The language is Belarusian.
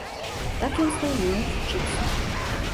Так ён стаў зноў вучыцца.